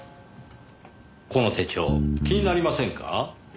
この手帳気になりませんか？